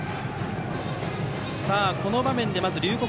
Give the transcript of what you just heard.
この場面で龍谷